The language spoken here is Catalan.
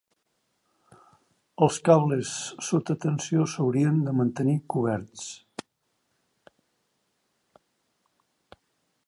Els cables sota tensió s'haurien de mantenir coberts.